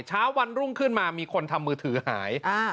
เช้าวันรุ่งขึ้นมามีคนทำมือถือหาย